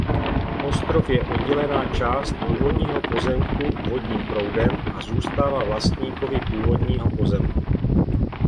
Ostrov je oddělená část původního pozemku vodním proudem a zůstává vlastníkovi původního pozemku.